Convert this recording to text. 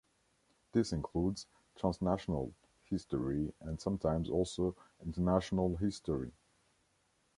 This includes "transnational" history and sometimes also international history.